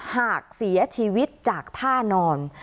หากเสียชีวิตจากท่านอน